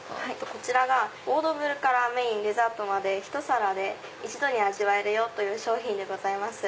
こちらがオードブルからメインデザートまでひと皿で一度に味わえる商品でございます。